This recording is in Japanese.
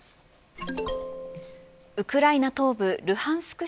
ウクライナ東部ルハンスク